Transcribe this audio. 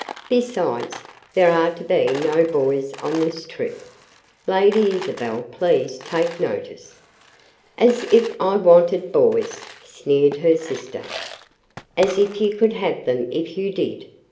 Besides, there are to be no boys on this trip; Lady Isabel please take notice!" "As if I wanted boys!" sneered her sister. "As if you could have them if you did!"